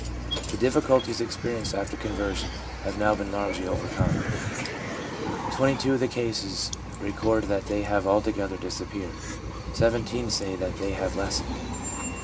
The difficulties experienced after conversion have: now been largely overcome. Twenty two of the cases record that they have altogether disappeared; 17 say that they have lessened.